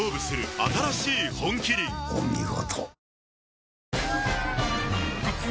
お見事。